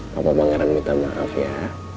bapak pangeran minta maaf ya